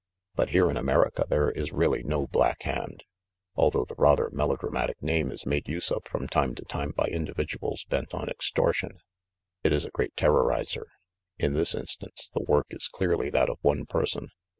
But here in America there is really no Black Hand ; although the rather melodra matic name is made use of from time to time by indi viduals bent on extortion. It is a great terrorizer. In this instance, the work is clearly that of one person.